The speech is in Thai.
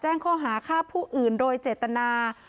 แจ้งข้อหาฆ่าผู้อื่นโดยเจตนา